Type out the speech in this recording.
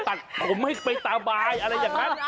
ไม่ได้ตักผมให้ไปตาบายอะไรอย่างนั้น